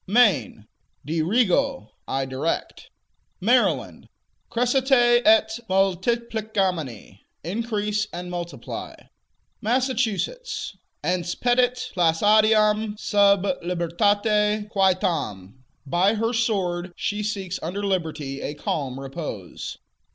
Maine Dirigo: I direct. Maryland Crescite et multiplicamini: Increase and multiply. Massachusetts Ense petit placidam sub libertate quietam: By her sword she seeks under liberty a calm repose.